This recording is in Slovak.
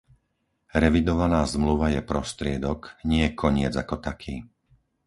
Revidovaná zmluva je prostriedok, nie koniec ako taký.